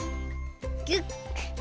ギュッ。